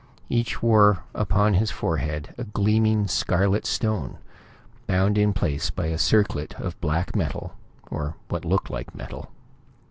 Each wore upon his forehead a gleaming scarlet stone, bound in place by a circlet of black metal, or what looked like metal.